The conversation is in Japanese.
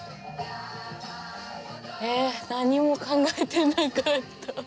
え何も考えてなかった。